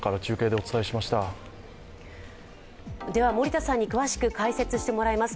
森田さんに詳しく解説してもらいます。